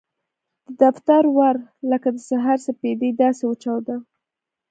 د دفتر ور لکه د سهار سپېدې داسې وچاوده.